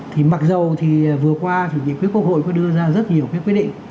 thì mặc dù thì vừa qua thì những quý quốc hội có đưa ra rất nhiều quy định